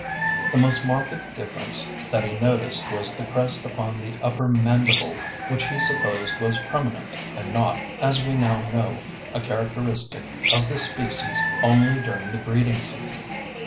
The most marked difference that he noticed was the crest upon the upper mandible which he supposed was permanent and not, as we now know, a characteristic of this species only during the breeding season.